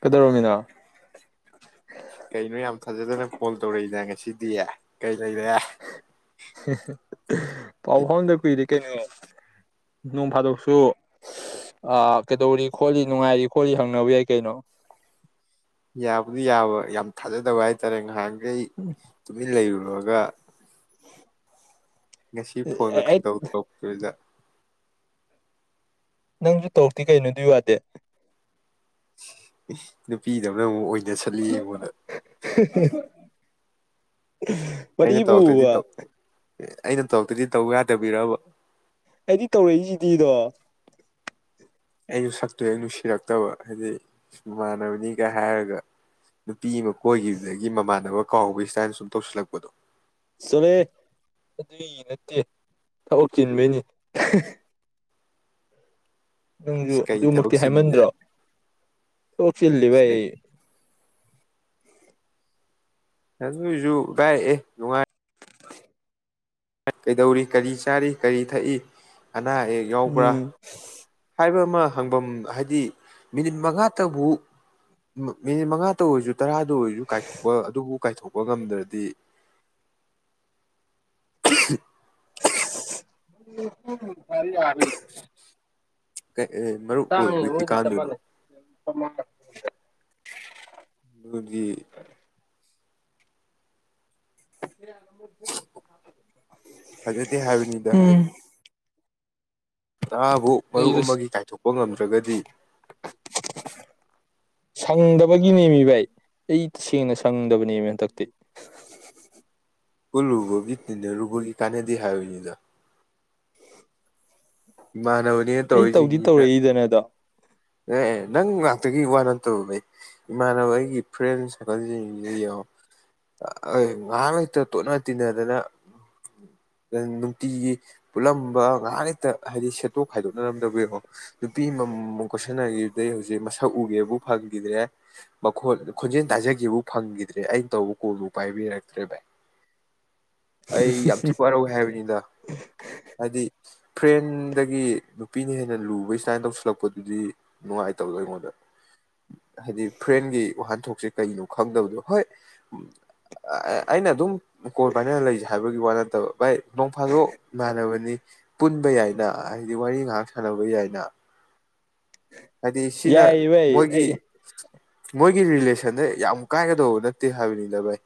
ꯀꯗꯧꯔꯣꯃꯤꯅꯥ ꯀꯩꯅꯣ ꯌꯥꯝ ꯊꯥꯖꯗꯅ ꯀꯣꯜ ꯇꯧꯔꯛꯏꯗ ꯉꯁꯤꯗꯤ ꯀꯩ ꯂꯩꯕ ꯄꯥꯎ ꯐꯥꯎꯗ ꯀꯨꯏꯔ ꯀꯩꯅꯣ ꯅꯣꯡ ꯐꯥꯗꯣꯛꯁꯨ ꯀꯩꯗꯧꯔꯤ ꯈꯣꯠꯂꯤ ꯅꯨꯡꯉꯥꯏꯔꯤ ꯈꯣꯠꯂꯤ ꯍꯪꯅꯕ ꯌꯥꯏ ꯀꯩꯅꯣ ꯌꯥꯕꯨꯗꯤ ꯌꯥꯕ ꯌꯥꯝ ꯊꯥꯖꯗꯕ ꯍꯥꯏꯇꯥꯔꯦ ꯉꯥꯏꯍꯥꯛ ꯑꯩ ꯇꯨꯃꯤꯟ ꯂꯩꯔꯨꯔꯣ ꯑꯗꯨꯒ ꯉꯁꯤ ꯐꯣꯟꯗꯣ ꯑꯩ ꯈꯪꯗꯧꯛꯇꯣꯏꯗ ꯅꯪꯁꯨ ꯇꯧꯛꯇꯤ ꯀꯩꯅꯣ ꯑꯗꯨꯏ ꯋꯥꯗꯤ ꯅꯨꯄꯤꯗꯅ ꯑꯃꯨꯛ ꯑꯣꯏ [inaudible] ꯋꯥꯔꯤꯕꯨꯕ ꯑꯦ ꯑꯩꯅ ꯇꯧꯔꯛꯇꯨꯗꯤ ꯇꯧ ꯌꯥꯗꯕꯤꯔꯕ ꯑꯩꯗꯤ ꯇꯧꯔꯛꯏꯁꯤꯗꯤꯗꯣ ꯑꯩꯁꯨ ꯁꯛꯇꯨ ꯑꯩ ꯅꯨꯡꯁꯤꯔꯛꯇꯕ ꯍꯥꯏꯗꯤ ꯃꯃꯥꯟꯅꯕꯅꯤꯒ ꯍꯥꯏꯔꯒ ꯄꯤꯕ ꯀꯣꯏꯈꯤꯕꯗꯒꯤ ꯃꯃꯥꯟꯅꯕ ꯀꯥꯎꯕꯒꯤ ꯁꯇꯥꯏꯗ ꯁꯨꯝ ꯇꯧꯁꯤꯜꯂꯛꯄꯗꯣ ꯆꯠꯂꯦ ꯑꯗꯨꯏ ꯅꯠꯇꯦ ꯊꯕꯛ ꯆꯤꯟꯕꯩꯅꯤ ꯅꯪꯁꯨꯨ ꯀꯩ ꯊꯕꯛ ꯑꯗꯨꯃꯛꯇꯤ ꯍꯥꯏꯃꯟꯗ꯭ꯔꯣ ꯆꯤꯟꯗꯅ ꯁꯣꯛꯆꯤꯜꯂꯤ ꯚ ꯑꯩ ꯑꯗꯨꯏꯁꯨ ꯀꯥꯏꯔꯛꯑꯦ ꯅꯨꯡꯉꯥꯏ ꯀꯩꯗꯧꯔꯤ ꯀꯔꯤ ꯆꯥꯔꯤ ꯀꯔꯤ ꯊꯛꯏ ꯑꯅꯥ ꯑꯌꯦꯛ ꯌꯥꯎꯕ꯭ꯔꯥ ꯎꯝ ꯍꯥꯏꯕ ꯑꯃ ꯍꯪꯐꯝ ꯍꯥꯏꯗꯤ ꯃꯤꯅꯤꯠ ꯃꯉꯥꯇꯕꯨ ꯃꯤꯅꯤꯠ ꯃꯉꯥꯇ ꯑꯣꯏꯔꯁꯨ ꯇꯔꯥꯗ ꯑꯣꯏꯔꯁꯨ ꯀꯥꯏꯊꯣꯛꯄ ꯑꯗꯨꯕꯨ ꯀꯥꯏꯊꯣꯛꯄ ꯉꯝꯗ꯭ꯔꯗꯤ ꯎ ꯐꯔꯤ ꯍꯥꯏ ꯃꯔꯨꯞ ꯑꯣꯏꯨꯏ ꯃꯣꯏꯗꯤ ꯆꯞ ꯐꯀꯥꯟꯗꯨꯅꯣ ꯃꯥꯟꯅꯩ [unintelligible] ꯑꯗꯨꯗꯤ ꯐꯖꯗꯤ ꯍꯥꯏꯕꯅꯤꯗ ꯍꯥꯏ ꯎꯝ ꯇꯔꯥꯕꯨ ꯃꯔꯨꯞ ꯑꯩꯗꯣ ꯑꯃꯒꯤ ꯀꯥꯏꯊꯣꯛꯄ ꯉꯝꯗ꯭ꯔꯒꯗꯤ ꯁꯪꯗꯕꯒꯤꯅꯦꯃꯤ ꯚꯥꯏ ꯑꯩ ꯇꯁꯦꯡꯅ ꯁꯪꯗꯕꯅꯦꯃꯤ ꯍꯟꯗꯛꯇꯤ ꯀ ꯂꯨꯕꯒꯤ ꯇꯤꯟꯅꯔꯨꯕꯒꯤ ꯀꯥꯟꯅꯗ ꯍꯥꯏꯔꯣꯏꯅꯤꯗ ꯏꯃꯥꯟꯅꯕꯅꯦꯅ ꯑꯩ ꯇꯧꯗꯤ ꯇꯧꯔꯤꯁꯤꯡꯁꯤꯅ ꯇꯧꯔꯛꯏꯗꯅ ꯑꯗꯣ ꯑꯦ ꯅꯪ ꯉꯥꯛꯇꯒꯤ ꯋꯥꯅ ꯇꯧꯕ ꯑꯩ ꯏꯃꯥꯟꯅꯕ ꯑꯩꯒꯤ ꯐ꯭ꯔꯦꯟꯁ ꯍꯀ ꯌꯥ ꯉꯥꯏꯍꯥꯛ ꯂꯩꯇ ꯇꯣꯠꯅ ꯇꯤꯟꯅꯗꯅ ꯅꯨꯡꯇꯤꯒꯤ ꯄꯨꯜꯂꯝꯕ ꯉꯥꯏꯍꯥꯛ ꯂꯩꯇ ꯍꯥꯏꯗꯤ ꯁꯦꯠꯇꯣꯛ ꯈꯥꯏꯗꯣꯛꯅꯔꯝꯗꯕꯒꯤꯔꯣ ꯅꯨꯄꯤ ꯑꯃꯃꯝꯃꯝ ꯀꯣꯏꯁꯟꯅꯈꯤꯕꯗꯩ ꯍꯧꯖꯤꯛ ꯃꯁꯛ ꯎꯒꯦꯕꯨ ꯐꯪꯈꯤꯗ꯭ꯔꯦ ꯃꯈꯣꯜ ꯈꯣꯟꯖꯦꯜ ꯇꯥꯖꯈꯤꯕꯕꯨ ꯐꯪꯈꯤꯗ꯭ꯔꯦ ꯑꯩꯅ ꯇꯧꯕ ꯀꯣꯜꯗꯨ ꯄꯥꯏꯕꯤꯔꯛꯇ꯭ꯔꯦ ꯚꯥꯏ ꯑꯩ ꯌꯥꯝ ꯊꯤꯛ ꯋꯥꯔꯧꯋꯦ ꯍꯥꯏꯕꯅꯤꯗ ꯍꯥꯏꯗꯤ ꯇ꯭ꯔꯦꯟꯗꯒꯤ ꯅꯨꯄꯤꯅ ꯍꯦꯟꯅ ꯂꯨꯕ ꯁꯃꯥꯏꯅ ꯇꯧꯁꯤꯜꯂꯛꯄꯗꯨꯗꯤ ꯅꯨꯡꯉꯥꯏꯇꯕꯗꯣ ꯑꯩꯉꯣꯟꯗ ꯍꯥꯏꯗꯤ ꯐ꯭ꯔꯦꯟꯒꯤ ꯋꯥꯍꯟꯊꯣꯛꯁꯦ ꯀꯩꯅꯣ ꯈꯪꯗꯕꯗꯣ ꯍꯣꯏ ꯑꯩꯅ ꯑꯗꯨꯝ ꯀꯣꯜ ꯄꯥꯏꯅꯅ ꯂꯩꯁꯦ ꯍꯥꯏꯕꯒꯤ ꯋꯥ ꯠꯇꯕ ꯚꯥꯏ ꯅꯣꯡꯐꯥꯗꯣꯛ ꯏꯥꯟꯅꯕꯅꯤ ꯄꯨꯟꯕ ꯌꯥꯏꯅ ꯍꯥꯏꯗꯤ ꯋꯥꯔꯤ ꯉꯥꯏꯍꯥꯛ ꯁꯥꯟꯅꯕ ꯌꯥꯏꯅ ꯍꯥꯏꯗꯤ ꯁꯤꯅ ꯌꯥꯏꯌꯦ ꯚꯥꯏ ꯑꯩ ꯃꯣꯏꯒꯤ ꯃꯣꯏꯒꯤ ꯔꯤꯂꯦꯁꯟꯗ ꯌꯥꯝ ꯀꯥꯏꯒꯗꯧꯕ ꯅꯠꯇꯦ ꯍꯥꯏꯕꯅꯤꯅ ꯚꯥꯏ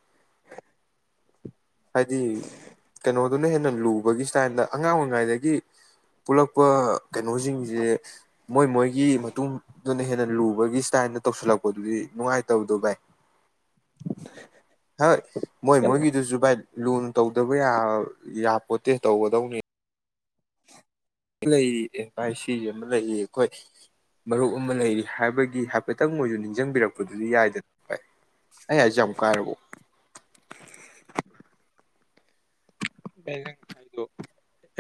ꯍꯥꯏꯗꯤ ꯀꯩꯅꯩꯅꯣ ꯑꯗꯨꯅ ꯍꯦꯟꯅ ꯂꯨꯕꯒꯤ ꯏꯁꯇꯥꯏꯜꯗ ꯑꯉꯥꯡ ꯑꯣꯏꯔꯤꯉꯩꯗꯒꯤ ꯄꯨꯜꯂꯛꯄ ꯀꯩꯅꯣꯁꯤꯡꯁꯦ ꯃꯣꯏ ꯃꯣꯏꯒꯤ ꯃꯇꯨꯡꯗꯨꯅ ꯍꯦꯟꯅ ꯂꯨꯕꯒꯤ ꯏꯁꯇꯥꯏꯜꯗ ꯇꯧꯁꯤꯜꯂꯛꯄꯗꯨꯗꯤ ꯅꯨꯡꯉꯥꯏꯇꯕꯗꯣ ꯕꯥꯥꯏ ꯍ ꯃꯣꯏ ꯃꯣꯏ ꯀꯟꯅ ꯀꯗꯨꯁꯨꯕꯥꯥꯏ ꯂꯨ ꯇꯧꯗꯕ ꯌꯥꯄꯣꯠꯇꯦ ꯇꯧꯒꯗꯧꯅꯤ ꯂꯩꯔꯤ ꯑꯦꯚꯥꯏ ꯁꯤꯁ ꯑꯃ ꯂꯩꯔꯤ ꯑꯩꯈꯣꯏ ꯃꯔꯨꯞ ꯑꯃ ꯂꯩꯔꯤ ꯍꯥꯏꯕꯒꯤ ꯍꯥꯏꯐꯦꯠꯇꯪ ꯃꯣꯏꯁꯨ ꯅꯤꯡꯁꯤꯡꯕꯤꯔꯛꯄꯗꯨꯗꯤ ꯌꯥꯏꯗꯅ ꯚꯥꯏ ꯑꯩ ꯍꯥꯏꯖꯝꯨ ꯀꯥꯏꯔꯔꯕꯣ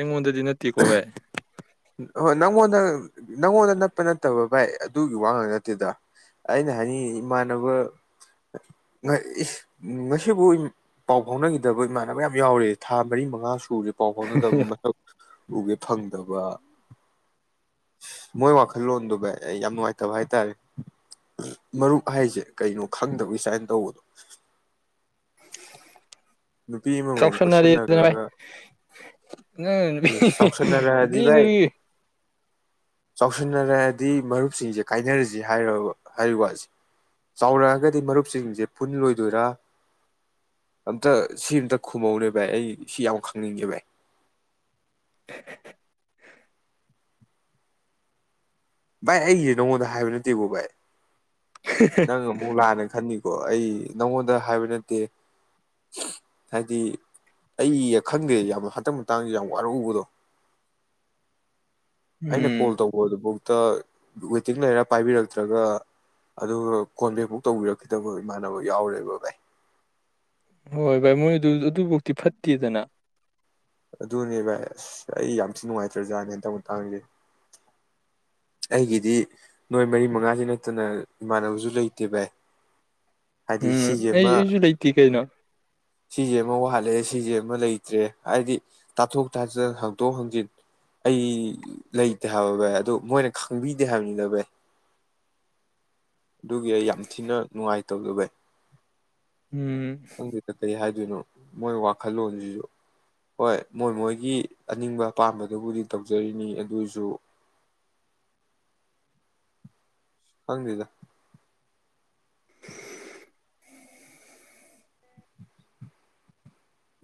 ꯍꯉ ꯑꯗꯨ ꯅꯠꯇ ꯀꯣꯋꯦ ꯅꯪꯣꯟꯅ ꯅꯪꯉꯣꯟꯗ ꯅꯠꯄ ꯅꯠꯇꯕ ꯚꯥꯏ ꯑꯗꯨꯒꯤ ꯋꯥ ꯉꯥꯡ ꯅꯠꯇꯦꯗ ꯑꯩꯅ ꯍꯥꯏꯅꯤꯡꯉꯤ ꯏꯃꯥꯟꯅꯕ ꯉꯁꯤꯕꯨꯥꯎ ꯄꯥꯎ ꯐꯥꯎꯅꯈꯤꯗꯕ ꯏꯃꯥꯟꯅꯕ ꯌꯥꯝ ꯌꯥꯎꯔꯦ ꯊꯥ ꯃꯔꯤ ꯃꯉꯥꯁꯨ ꯐꯨꯁꯦ ꯄꯥꯎ ꯐꯥꯎꯅꯗꯕ ꯃꯊꯧ ꯎꯒꯦ ꯐꯪꯗꯕ ꯃꯣꯏ ꯋꯥꯈꯜꯂꯣꯟꯗꯨ ꯑꯩ ꯌꯥꯝ ꯅꯨꯡꯉꯥꯏꯇꯕ ꯍꯥꯏ ꯇꯥꯔꯦ ꯃꯔꯨꯞ ꯍꯥꯏꯁꯦ ꯀꯩꯅꯣ ꯈꯪꯗꯕꯒꯤ ꯁꯨꯃꯥꯏꯅ ꯇꯧꯕꯗꯣ ꯅꯨꯄꯤ ꯑꯃꯃꯝ ꯆꯥꯎꯁꯅꯔꯤ ꯅꯨ ꯀꯣꯏꯁꯟꯅꯈ꯭ꯔꯒ ꯑꯦ ꯆꯥꯎꯁꯟꯅꯔꯛꯑꯗꯤ ꯅꯨꯄꯤ ꯅꯨ ꯚꯥꯏ ꯆꯥꯎꯁꯤꯟꯅꯔꯛꯑꯗꯤ ꯃꯔꯨꯞꯁꯤꯡꯁꯦ ꯀꯥꯏꯅꯔꯁꯤ ꯍꯥꯏ ꯍꯥꯏꯔꯤꯕ ꯋꯥꯠꯁꯦ ꯆꯥꯎꯔꯛꯑꯒꯗꯤ ꯃꯔꯨꯞꯁꯤꯡꯁꯦ ꯐꯨꯟ ꯂꯣꯏꯗꯣꯏꯔ ꯑꯝꯇ ꯁꯤ ꯑꯇ ꯈꯨꯝꯃꯧꯅꯦ ꯚꯥꯏ ꯑꯩ ꯁꯤ ꯌꯥꯝ ꯈꯪꯅꯤꯡꯉꯦ ꯚꯥꯏ [inaudible] ꯚꯥꯏ ꯑꯩꯁꯦ ꯅꯉꯣꯟꯗ ꯍꯥꯏꯕ ꯅꯠꯇꯦꯀꯣ ꯚꯥꯏ ꯅꯪ ꯑꯃꯨꯛ ꯂꯥꯛꯑꯅ ꯈꯟꯅꯤꯡ ꯀ ꯑꯩ ꯅꯪꯉꯣꯟꯗ ꯍꯥꯏꯕ ꯅꯠꯇꯦ ꯍꯥꯏꯗꯤ ꯑꯩ ꯈꯪꯗꯦ ꯌꯥꯝ ꯍꯇꯛ ꯃꯇꯥꯡꯁ ꯌꯥꯝ ꯋꯥꯔꯨꯕꯗꯣ ꯑꯩꯅ ꯀꯣꯜ ꯎꯝ ꯇꯧꯕ ꯑꯗꯨꯕꯨꯥꯎ ꯇ ꯋꯦꯇꯤꯡ ꯂꯩꯔ ꯄꯥꯏꯕꯤꯔꯛꯇ꯭ꯔꯒ ꯑꯗꯨꯒ ꯀꯣꯟꯕꯦꯛ ꯕꯨꯛ ꯇꯧꯕꯤꯔꯛꯈꯤꯗꯕ ꯏꯃꯥꯟꯅꯕ ꯌꯥꯎꯔꯦꯕ ꯚꯥꯏ ꯍꯣꯏ ꯚꯥꯏ ꯃꯣꯏꯗꯨ ꯑꯗꯨꯐꯧꯇꯤ ꯐꯠꯇꯦꯗꯅ ꯑꯗꯨꯅꯦ ꯚꯥꯏ ꯑꯁ ꯑꯩ ꯌꯥꯝ ꯊꯤ ꯅꯨꯡꯉꯥꯏꯇ꯭ꯔꯖꯥꯠꯅꯦ ꯍꯟꯇꯪꯇꯥꯡꯁꯦ ꯑꯩꯒꯤꯗꯤ ꯅꯣꯏ ꯃꯔꯤ ꯃꯉꯥꯁꯤ ꯅꯠꯇꯅ ꯏꯃꯥꯟꯅꯕꯁꯨ ꯂꯩꯇꯦ ꯚꯥꯏ ꯍꯥꯏꯗꯤ ꯎꯝ ꯁꯤꯁꯦ ꯑꯃ ꯑꯩꯁꯨ ꯂꯩꯇ ꯀꯩꯅꯩꯅꯣ ꯁꯤꯁꯦ ꯑꯃ ꯋꯥꯜꯂꯛꯑꯦ ꯁꯤꯁꯦ ꯑꯃ ꯂꯩꯇ꯭ꯔꯦ ꯍꯥꯏꯗꯤ ꯇꯥꯊꯣꯛ ꯇꯥꯁꯤꯟ ꯍꯥꯡꯗꯣꯛ ꯍꯥꯡꯖꯤꯟ ꯑꯩ ꯂꯩꯇꯦ ꯍꯥꯏꯕꯚ ꯑꯗꯨ ꯃꯣꯏꯅ ꯈꯪꯕꯤꯗꯦ ꯍꯥꯏꯕꯅꯤꯗ ꯚꯩ ꯑꯗꯨꯒꯤ ꯑꯩ ꯌꯥꯝ ꯊꯤꯅ ꯅꯨꯡꯉꯥꯏꯇꯧꯗ ꯚꯩ ꯎꯝ ꯊꯗ ꯇꯔꯤ ꯍꯥꯏ ꯑꯗꯨꯅ ꯃꯣꯏ ꯋꯥꯈꯜꯂꯣꯟꯁꯤꯁꯨ ꯍꯣꯏ ꯃꯣꯏ ꯃꯣꯏꯒꯤ ꯑꯅꯤꯡꯕ ꯑꯄꯥꯝꯕꯗꯨꯕꯨꯗꯤ ꯇꯧꯖꯔꯤꯅꯤ ꯑꯗꯨꯁꯨ ꯍꯪꯗ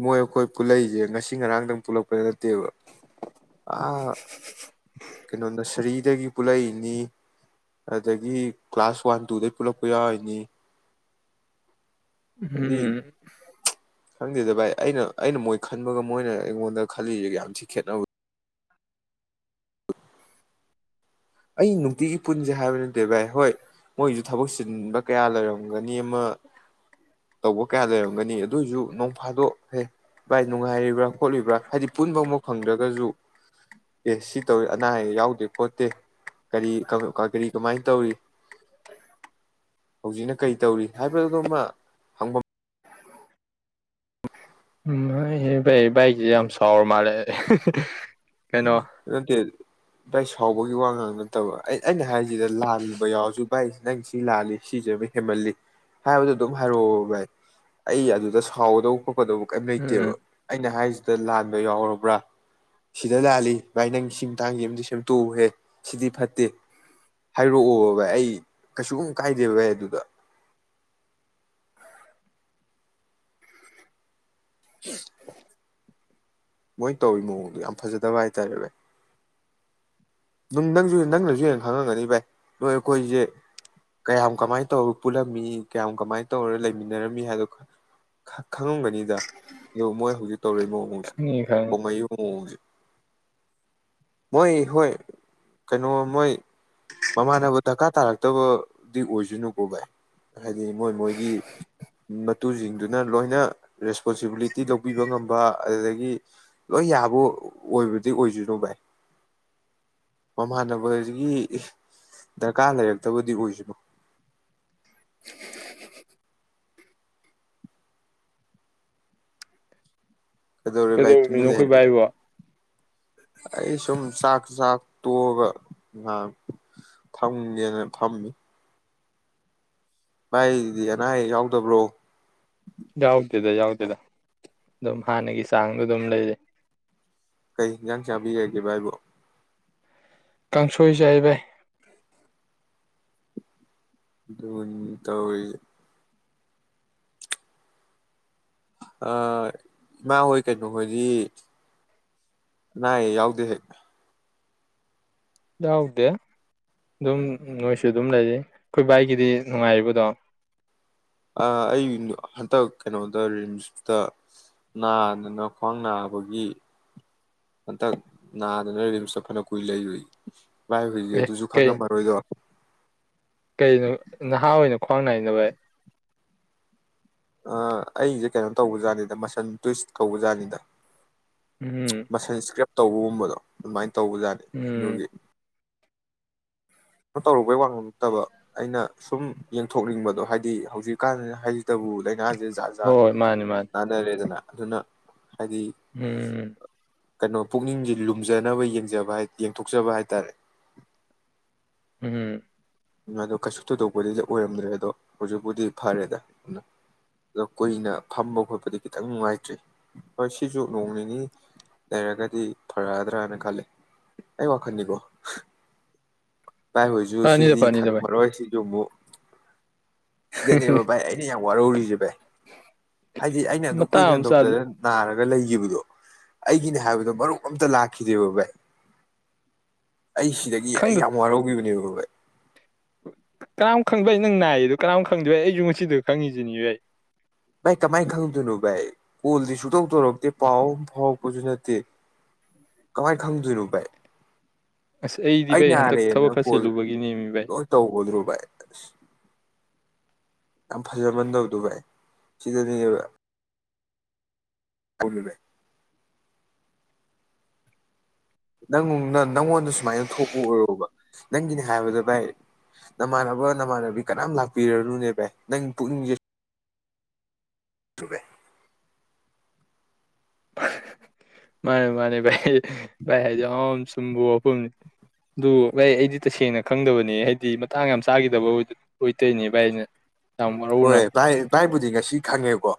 ꯃꯣꯏ ꯑꯩꯈꯣꯏ ꯄꯨꯂꯛꯏꯁꯦ ꯉꯁꯤ ꯉꯔꯥꯡꯗꯪ ꯄꯨꯜꯂꯛꯄꯗ ꯅꯠꯇꯦꯕ ꯑ ꯀꯩꯅꯣ ꯅꯁꯔꯤꯗꯒꯤ ꯄꯨꯜꯂꯛꯏꯅꯤ ꯑꯗꯒꯤ ꯀ꯭ꯂꯥꯁ ꯋꯥꯟ ꯇꯨꯗꯒꯤ ꯄꯨꯜꯂꯛꯄ ꯌꯥꯎꯔꯤꯅꯤ ꯍꯥꯏꯗꯤ ꯎꯝ ꯈꯪꯗꯦꯗ ꯚꯥꯏ ꯑꯩꯅ ꯑꯩꯅ ꯃꯣꯏ ꯈꯟꯕꯒ ꯃꯣꯏꯅ ꯑꯩꯉꯣꯟꯗ ꯈꯜꯂꯤꯁꯦꯒ ꯌꯥꯝ ꯊꯤ ꯈꯦꯠꯅꯧ ꯑꯩ ꯅꯨꯡꯇꯤꯒꯤ ꯄꯨꯟꯁꯦ ꯍꯥꯏꯕ ꯅꯠꯇꯦ ꯚꯥꯏ ꯍꯣꯏ ꯃꯣꯏꯁꯨ ꯊꯕꯛ ꯆꯤꯟꯕ ꯀꯌꯥ ꯂꯩꯔꯝꯒꯅꯤ ꯑꯃ ꯇꯧꯕ ꯀꯌꯥ ꯂꯩꯔꯝꯒꯅꯤ ꯑꯗꯨꯏꯁꯨ ꯅꯣꯡꯐꯥꯗꯣꯛꯍꯦ ꯚꯥꯏ ꯅꯨꯡꯉꯥꯏꯔꯤꯕ꯭ꯔꯥ ꯈꯣꯠꯂꯤꯕ꯭ꯔꯥ ꯍꯥꯏꯗꯤ ꯄꯨꯟꯕ ꯑꯃꯥꯎ ꯐꯪꯗ꯭ꯔꯒꯁꯨ ꯑꯦ ꯁꯤ ꯇꯧꯋꯤ ꯑꯅꯥ ꯑꯌꯦꯛ ꯌꯥꯎꯗꯦ ꯈꯣꯠꯇꯦ ꯔꯤ ꯀꯔꯤ ꯀꯃꯥꯏ ꯇꯧꯔꯤ ꯍꯧꯖꯤꯛꯅ ꯀꯔꯤ ꯇꯧꯔꯤ ꯍꯥꯏꯕꯗꯨꯃ ꯍꯪꯐꯝ ꯑꯦ ꯥꯏ ꯏꯛ ꯌꯥꯝꯝ ꯆꯥꯎꯥꯎꯔ ꯃꯥꯔꯦ ꯅꯠꯇꯦ ꯑꯗꯨ ꯚꯥꯏ ꯁꯥꯎꯕꯒꯤ ꯋꯥ ꯉꯥꯡ ꯅꯠꯇꯕ ꯑꯩ ꯑꯩꯅ ꯍꯥꯏꯔꯤꯁꯤꯗ ꯂꯥꯟꯕ ꯌꯥꯎꯔꯁꯨ ꯚꯥꯏ ꯅꯪ ꯁꯤ ꯂꯥꯜꯂꯤ ꯁꯤꯁꯦ ꯑꯃ ꯍꯦꯃꯜꯂꯤ ꯍꯥꯏꯕꯗꯨꯣ ꯑꯗꯨꯝ ꯍꯥꯏꯔꯛꯑꯣꯕ ꯚꯥꯏ ꯑꯩ ꯑꯗꯨꯗ ꯁꯥꯎꯒꯗꯧꯕ ꯈꯣꯠꯀꯗꯧꯕ ꯀꯔꯤꯝ ꯎꯝ ꯂꯩꯇꯦꯕ ꯑꯩꯅ ꯍꯥꯏꯔꯤꯁꯤꯗ ꯂꯥꯟꯕ ꯌꯥꯎꯔꯕ꯭ꯔꯥ ꯁꯤꯗ ꯂꯥꯜꯂꯤ ꯚꯥꯏ ꯅꯪ ꯁꯤ ꯇꯥꯡꯁꯤ ꯑꯃꯗ ꯁꯦꯝꯇꯣꯛꯎꯍꯦ ꯁꯤꯗꯤ ꯐꯠꯇꯦ ꯍꯥꯏꯔꯛꯑꯣꯕ ꯚꯥꯏ ꯑꯩ ꯀꯩꯁꯨ ꯀꯨꯝ ꯀꯥꯏꯗꯦ ꯚꯥꯏ ꯑꯗꯨꯗ [unintelligible] ꯃꯣꯏ ꯇꯧ ꯃꯑꯣꯡꯗꯣ ꯌꯥꯝ ꯐꯖꯗꯕ ꯍꯥꯏꯇꯥꯔꯦ ꯚ ꯅꯪ ꯅꯪꯁꯨ ꯅꯪꯅꯁꯨ ꯍꯦꯟꯅ ꯈꯪꯉꯝꯒꯅꯤ ꯚꯥꯏ ꯅꯣꯏ ꯑꯩꯈꯣꯏꯁꯦ ꯀꯌꯥꯝ ꯀꯃꯥꯏꯅ ꯇꯧꯔ ꯄꯨꯜꯂꯝꯃꯤ ꯀꯌꯥꯝ ꯀꯃꯥꯏꯅ ꯇꯧꯔ ꯂꯩꯃꯤꯟꯅꯔꯝꯃꯤ ꯍꯥꯏꯗꯣ ꯈꯪꯉꯝꯒꯅꯤꯗ ꯑꯗ ꯃꯣꯏ ꯍꯧꯖꯤꯛ ꯇꯧꯔꯛꯏꯅꯣ ꯈꯪꯉꯤ ꯈꯪꯉꯤ ꯍꯃꯌꯨ ꯍꯧꯁꯦ ꯃꯣꯏ ꯍꯣꯏ ꯀꯩꯅꯣ ꯃꯣꯏ ꯃꯃꯥꯟꯅꯕ ꯗꯔꯀꯥꯔ ꯇꯥꯔꯛꯇꯕꯗꯤ ꯑꯣꯏꯁꯅꯨꯀꯣ ꯚꯥꯏ ꯍꯥꯏꯗꯤ ꯃꯣꯏ ꯃꯣꯏꯒꯤ ꯃꯇꯨꯁꯤꯡꯗꯨꯅ ꯂꯣꯏꯅ ꯔꯦꯁꯄꯣꯟꯁꯤꯕꯤꯂꯤꯇꯤ ꯂꯧꯕꯤꯕ ꯉꯝꯕ ꯑꯗꯨꯗꯒꯤ ꯂꯣꯏ ꯌꯥꯕꯨ ꯑꯣꯏꯕꯗꯤ ꯑꯣꯏꯁꯅꯨ ꯚꯥꯏ ꯃꯃꯥꯟꯅꯕꯗꯒꯤ ꯗꯔꯀꯥꯔ ꯂꯩꯔꯛꯇꯕꯗꯤ ꯑꯣꯏꯁꯅꯨ ꯀꯩꯗꯧꯔꯦ ꯚꯥꯏ ꯇꯨꯃꯤꯟ ꯂꯩꯔꯗꯤ ꯀꯩꯗꯧꯔꯝꯃꯤꯅꯣꯑꯩꯈꯣꯏꯕꯥꯏꯔꯤꯕ ꯑꯩ ꯁꯨꯝ ꯆꯥꯛ ꯆꯥꯛ ꯇꯣꯛꯑꯒ ꯉꯍꯥꯟ ꯊꯝꯒꯦꯅ ꯊꯝꯃꯤ ꯚꯥꯏꯗꯤ ꯑꯅꯥ ꯑꯌꯦꯛ ꯌꯥꯎꯗꯕ꯭ꯔꯣ ꯌꯥꯎꯗꯦꯗ ꯌꯥꯎꯗꯦꯗ ꯑꯗꯨꯝ ꯍꯥꯟꯅꯒꯤ ꯆꯥꯡꯗꯣ ꯑꯗꯨꯝ ꯂꯩꯖꯩ ꯀꯩ ꯍꯟꯖꯥꯡ ꯆꯥꯕꯤꯔꯒꯦ ꯍꯥꯏꯕꯣ ꯀꯥꯡꯁꯣꯏ ꯆꯥꯏ ꯚꯏ ꯑꯗꯨ ꯇꯧꯔꯤꯁꯦ ꯑ ꯏꯃꯥ ꯍꯣꯏ ꯀꯩꯅꯣꯍꯣꯏꯗꯤ ꯑꯅꯥ ꯑꯌꯦꯛ ꯌꯥꯎꯗꯦ ꯍꯦꯛ ꯌꯥꯎꯗꯦ ꯑꯗꯨꯝ ꯅꯣꯏꯁꯨ ꯑꯗꯨꯝ ꯂꯩꯔꯤ ꯑꯩꯈꯣꯏ ꯕꯥꯏꯒꯤꯗꯤ ꯅꯨꯡꯉꯥꯏꯔꯤꯕꯗꯣ ꯑꯩ ꯍꯟꯇꯛ ꯀꯩꯅꯣꯗ ꯔꯤꯝꯁꯇ ꯅꯥꯗꯅ ꯈ꯭ꯋꯥꯡ ꯅꯥꯕꯒꯤ ꯍꯟꯇꯛ ꯅꯥꯗꯅ ꯔꯤꯝꯁꯇ ꯐꯅ ꯀꯨꯏ ꯂꯩꯔꯣꯏꯏ ꯂꯥꯏ ꯍꯨꯏꯁꯦ ꯑꯦ ꯑꯗꯨꯁꯨ ꯀꯩ ꯈꯪꯉꯝꯃꯔꯣꯏꯗꯣ ꯈꯣꯡ ꯅꯏ ꯅꯕꯥꯥꯏ ꯑꯩꯁꯦ ꯀꯩꯅꯣ ꯇꯧꯕꯖꯥꯠꯅꯤꯗ ꯃꯁꯟ ꯇꯨꯏꯁ ꯀꯧꯕꯖꯥꯠꯅꯤꯗ ꯎꯝ ꯃꯁꯦꯀ ꯇꯧꯕꯒꯨꯝꯕꯗꯣ ꯑꯗꯨꯃꯥꯏꯅ ꯇꯧꯕꯖꯥꯠꯅꯤ ꯎꯝ ꯑꯗꯨꯒꯤ ꯀꯩꯅ ꯇꯧꯔꯨꯕꯩ ꯋꯥꯃꯝꯃꯛꯇꯕ ꯑꯩꯅ ꯁꯨꯝ ꯌꯦꯡꯊꯣꯛꯅꯤꯡꯕꯗꯣ ꯍꯥꯏꯗꯤ ꯍꯧꯖꯤꯛꯀꯥꯟ ꯍꯥꯏ ꯇꯕꯨ ꯂꯥꯏꯅꯥꯁꯦ ꯖꯥꯠ ꯍꯣꯏ ꯖꯥꯠ ꯍꯣꯏ ꯃꯥꯅꯤ ꯃꯥꯅꯤ ꯅꯥꯅꯔꯦꯗꯅ ꯑꯗꯨꯅ ꯍꯥꯏꯗꯤ ꯎꯝ ꯀꯩꯅꯣ ꯄꯨꯛꯅꯤꯡꯁꯦ ꯂꯨꯝꯖꯅꯕ ꯌꯦꯡꯖꯕ ꯌꯦꯡꯊꯣꯛꯆꯕ ꯍꯥꯏꯇꯥꯔꯦ ꯍꯝ ꯑꯗꯣ ꯀꯩꯁꯨ ꯊꯣꯏꯗꯣꯛꯄꯗꯤꯗꯤ ꯑꯣꯏꯔꯝꯗ꯭ꯔꯦ ꯑꯗꯣ ꯍꯧꯖꯤꯛꯄꯨꯗꯤ ꯐꯔꯦꯗ ꯑꯗꯨ ꯑꯗꯣ ꯀꯨꯏꯅ ꯐꯝꯕ ꯈꯣꯠꯄꯗꯤ ꯈꯤꯇꯪ ꯅꯨꯡꯉꯥꯏꯇ꯭ꯔꯤ ꯍꯣꯏ ꯁꯤꯁꯨ ꯅꯣꯡ ꯅꯤꯅꯤ ꯂꯩꯔꯒꯗꯤ ꯐꯔꯛꯑꯗ꯭ꯔꯥꯅ ꯈꯜꯂꯦ ꯑꯩ ꯋꯥꯈꯟꯅꯤꯀꯣ ꯏꯥꯏ ꯍꯣꯏꯁꯨ ꯐꯅꯤꯗ ꯁꯤꯗꯤ ꯐꯅꯤꯗ ꯚꯥꯏ ꯊꯛꯄꯔꯣꯏ ꯁꯤꯁꯨ ꯑꯃꯨꯛ ꯁꯤꯗꯅꯦꯕ ꯚꯥꯏ ꯑꯩꯅ ꯌꯥꯝ ꯋꯥꯔꯧꯔꯤꯖꯕ ꯍꯥꯏꯗꯤ ꯑꯩꯅ ꯑꯗꯨꯝ ꯃꯇꯥꯡ ꯀꯨꯏꯗꯅ ꯑꯃ ꯆꯥꯗ ꯗꯣꯛꯇꯔꯗ ꯅꯥꯔꯒ ꯂꯩꯈꯤꯕꯗꯣ ꯑꯩꯒꯤꯅꯦ ꯍꯥꯏꯕꯗꯣ ꯃꯔꯨꯞ ꯑꯝꯇ ꯂꯥꯛꯈꯤꯗꯦꯕ ꯚꯥꯏ ꯑꯩ ꯁꯤꯗꯒꯤ ꯑꯩ ꯈꯪꯗ ꯌꯥ ꯑꯗꯨꯅꯦ ꯀꯅꯥꯝ ꯈꯪꯕ ꯑꯩ ꯅꯪ ꯅꯥꯏꯌꯦꯗ ꯀꯅꯥꯝ ꯈꯪꯗꯣꯏꯦ ꯑꯩꯁꯨ ꯉꯁꯤꯗ ꯈꯪꯉꯤꯁꯤꯅꯤꯁꯨ ꯑꯩ ꯚꯥꯏ ꯀꯃꯥꯏꯅ ꯈꯪꯗꯣꯏꯅꯣ ꯚꯥꯏ ꯀꯣꯜꯗꯤ ꯁꯨꯛꯇꯧ ꯇꯧꯔꯛꯇꯦ ꯄꯥꯎ ꯑ ꯐꯥꯎꯔꯛꯄꯁꯨ ꯅꯠꯇꯦ ꯀꯃꯥꯏꯅ ꯈꯪꯗꯣꯏꯅꯣ ꯚꯥꯏ ꯑꯁ ꯑꯩꯗꯤ ꯑꯩ ꯚꯥꯏ ꯍꯟꯇꯛ ꯊꯕꯛ ꯅꯥꯔꯦꯅ ꯈꯔ ꯀꯣꯜ ꯆꯦꯜꯂꯨꯕꯒꯤꯅꯦꯃꯤ ꯚꯥꯏ ꯂꯣꯏ ꯇꯧꯒꯗ꯭ꯔꯣ ꯚꯥꯏ ꯑꯁ ꯌꯥꯝ ꯐꯖꯃꯟ ꯗꯕꯗꯣ ꯚꯥꯏ ꯁꯤꯗꯅꯦꯕ ꯄꯨꯔꯦ ꯅꯪ ꯅꯪꯉꯣꯟꯗ ꯁꯨꯃꯥꯏꯅ ꯊꯣꯛꯄ ꯑꯣꯏꯔꯣꯕ ꯅꯪꯒꯤꯅꯦ ꯍꯥꯏꯕꯗ ꯚꯥꯏ ꯅꯃꯥꯟꯅꯕ ꯅꯃꯥꯟꯅꯕꯤ ꯀꯅꯥꯝ ꯂꯥꯛꯄꯤꯔꯅꯨꯅꯦ ꯚꯥꯏ ꯅꯪ ꯄꯨꯛꯅꯤꯡꯁꯦ ꯁꯨꯕꯦ [unintelligible] ꯃꯥꯅꯦ ꯃꯥꯅꯤ ꯚꯥꯏ ꯚꯥꯏ [unintelligible] ꯁꯨꯝꯕꯣ ꯑꯗꯨ ꯚꯥꯏ ꯑꯩꯗꯤ ꯇꯁꯦꯡꯅ ꯈꯪꯗꯕꯅꯦ ꯍꯥꯏꯗꯤ ꯃꯇꯥꯡ ꯌꯥꯝ ꯆꯥꯈꯤꯗꯕ ꯑꯣꯏꯗꯣꯏꯅꯦ ꯚꯥꯏꯩꯅ ꯍꯣꯏ ꯚꯥꯏ ꯚꯥꯏꯕꯨꯗꯤ ꯉꯁꯤ ꯈꯪꯉꯦꯕꯀꯣ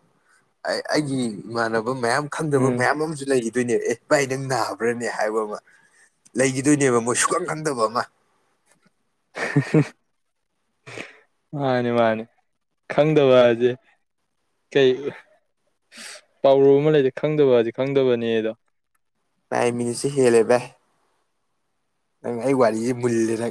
ꯑꯩꯒꯤ ꯏꯃꯥꯟꯅꯕ ꯃꯌꯥꯝ ꯈꯪꯗꯕ ꯎꯝ ꯃꯌꯥꯝ ꯑꯃꯁꯨ ꯂꯩ ꯑꯗꯨꯣꯏꯅꯦꯕ ꯑꯦ ꯚꯥꯏ ꯅꯪ ꯅꯥꯕ꯭ꯔꯥꯅꯦ ꯍꯥꯏꯕ ꯑꯃ ꯂꯩꯈꯤꯗꯣꯏꯅꯦꯕ ꯃꯣꯏ ꯁꯨꯛꯀꯪ ꯈꯪꯗꯕ ꯑꯃ ꯃꯥꯅꯤ ꯃꯥꯅꯤ ꯈꯪꯗꯕꯁꯦ ꯀꯩ ꯄꯥꯎꯔꯧ ꯑꯃ ꯂꯩꯁꯦ ꯈꯪꯗꯕ ꯍꯥꯏꯁꯦ ꯈꯪꯗꯕꯅꯤꯗꯣ ꯚꯥꯏ ꯃꯤꯅꯤꯠꯁꯦ ꯍꯦꯜꯂꯦ ꯚꯥꯏ ꯅꯪ ꯑꯩ ꯋꯥꯔꯤꯁꯤꯦ ꯃꯨꯜꯂꯦꯗ